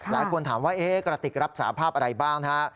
หลายคนถามว่ากระติกรับสาภาพอะไรบ้างนะฮะ